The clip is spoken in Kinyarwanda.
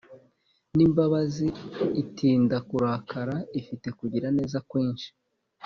n imbabazi Itinda kurakara Ifite kugira neza kwinshi